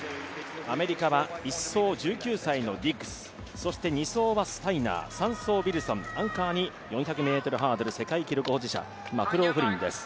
アメリカは１走、１９歳の選手、そして２走はスタイナー、３走ウィルソン、アンカーに４００ｍハードル世界記録保持者、マクローフリンです。